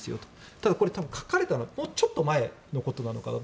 ただ、これは多分書かれたのはもうちょっと前のことなのかなと。